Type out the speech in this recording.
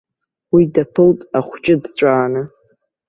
Уи даԥылт ахәҷы дҵәааны.